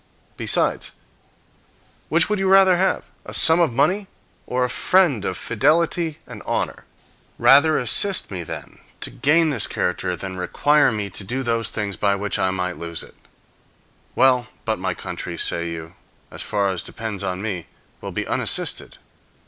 Besides, which would you rather have, a sum of money, or a friend of fidelity and honor? Rather assist me, then, to gain this character than require me to do those things by which I may lose it. Well, but my country, say you, as far as depends on me, will be unassisted.